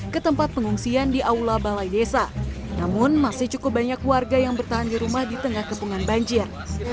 ke tempat pengungsian di aula balai desa namun masih cukup banyak warga yang bertahan di rumah di tengah kepungan banjir